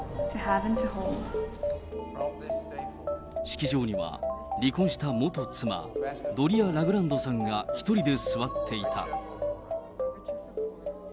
式場には、離婚した元妻、ドリア・ラグランドさんが１人で座っていた。